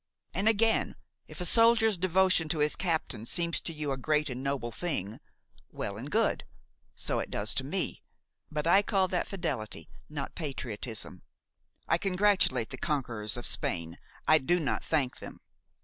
And again, if a soldier's devotion to his captain seems to you a great and noble thing, well and good, so it does to me; but I call that fidelity, not patriotism. I congratulate the conquerors of Spain, I do not thank them.